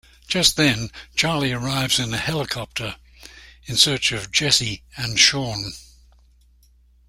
Just then Charlie arrives in a helicopter in search of Jessie and Sean.